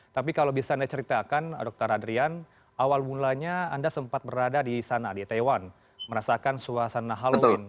tapi kalau bisa anda ceritakan dr adrian awal mulanya anda sempat berada di sana di taiwan merasakan suasana halloween